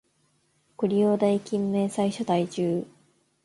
ご利用代金明細書在中